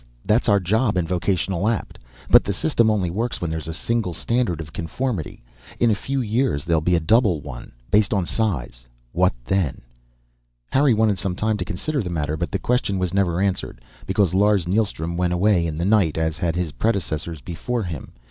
That's our job in Vocational Apt. But the system only works when there's a single standard of conformity. In a few years there'll be a double one, based on size. What then?" Harry wanted some time to consider the matter, but the question was never answered. Because Lars Neilstrom went away in the night, as had his predecessors before him.